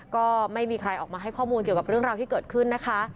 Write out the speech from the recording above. ก็ไม่มีใครออกมาให้ข้อมูลเกี่ยวกับเรื่องราวที่เกิดขึ้นนะคะ